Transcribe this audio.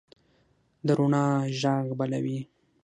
د روڼا ږغ بلوي